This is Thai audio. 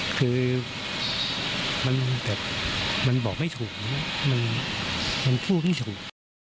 คือมันบอกไม่ถูกมันพูดไม่ถูก